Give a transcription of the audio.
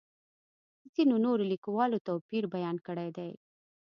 ځینو نورو لیکوالو توپیر بیان کړی دی.